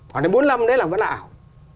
hoặc là bốn mươi năm đấy là vẫn là ảo